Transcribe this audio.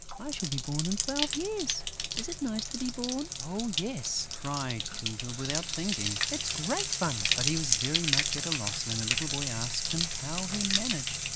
"I shall be born in twelve years.... Is it nice to be born?" "Oh, yes," cried Tyltyl, without thinking. "It's great fun!" But he was very much at a loss when the little boy asked him "how he managed."